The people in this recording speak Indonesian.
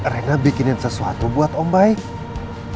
rena bikinin sesuatu buat om baik